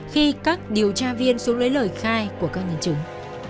khi các điều tra viên xuống lấy lời khai của các nhân chứng